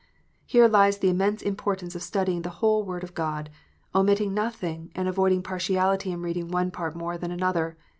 Here lies the immense importance of studying the whole Word of God, omitting nothing, and avoiding partiality in reading one part more than another.